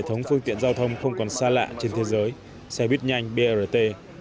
hệ thống phương tiện giao thông không còn xa lạ trên thế giới xe buýt nhanh brt